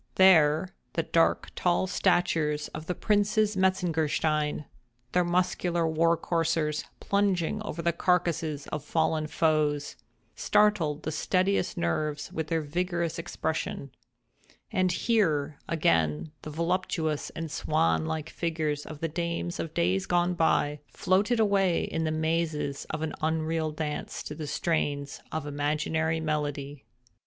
There, the dark, tall statures of the Princes Metzengerstein—their muscular war coursers plunging over the carcasses of fallen foes—startled the steadiest nerves with their vigorous expression; and here, again, the voluptuous and swan like figures of the dames of days gone by, floated away in the mazes of an unreal dance to the strains of imaginary melody.